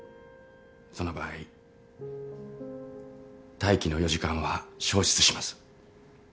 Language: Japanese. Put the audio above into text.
その場合待機の４時間は消失します。